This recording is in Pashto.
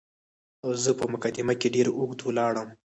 او زه په مقدمه کې ډېر اوږد ولاړم.